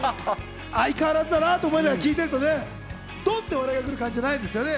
相変わらずだなとか思いながら、聞いてるとね、ドンっと来る笑いじゃないですからね。